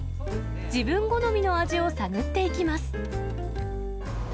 自分好みの味を探っていきます。